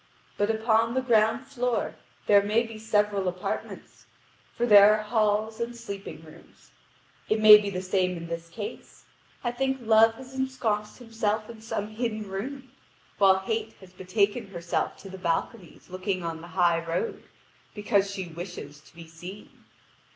But upon the ground floor there may be several apartments: for there are halls and sleeping rooms. It may be the same in this case: I think Love had ensconced himself in some hidden room, while Hate had betaken herself to the balconies looking on the high road, because she wishes to be seen.